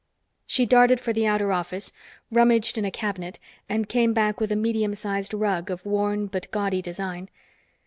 She darted for the outer office, rummaged in a cabinet, and came back with a medium sized rug of worn but gaudy design.